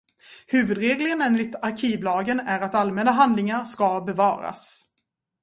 Huvudregeln enligt arkivlagen är att allmänna handlingar ska bevaras.